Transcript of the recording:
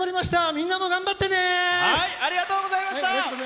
みんなも頑張ってね！